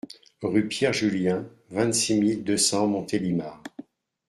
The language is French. Rue Pierre Julien, vingt-six mille deux cents Montélimar